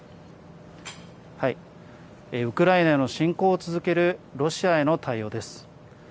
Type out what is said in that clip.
ウクライナの侵攻を続けるロシアへの対応です。